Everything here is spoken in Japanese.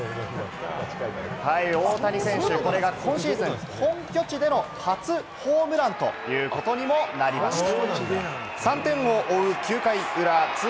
大谷選手、これが今シーズン本拠地での初ホームランということになりました。